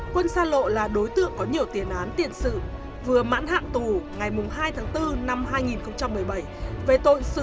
quân xa lộ là đối tượng có nhiều tiền án tiền sự vừa mãn hạn tù ngày hai tháng bốn năm hai nghìn một mươi bảy về tội sử dụng